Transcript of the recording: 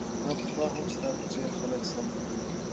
ما پخوا هم ستا په څیر خلک سم کړي دي